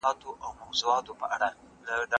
چي دي کرلي درته رسیږي